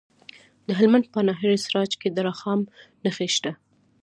د هلمند په ناهري سراج کې د رخام نښې شته.